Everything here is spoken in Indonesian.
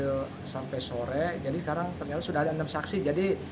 waktu untuk bersaksikan sampai sore jadi sekarang ternyata sudah ada enam saksi jadi